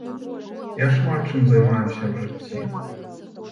Я шмат чым займаюся ў жыцці.